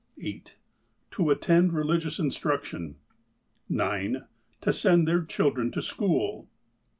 (8) To attend religious instruction. (9) To send their children to school.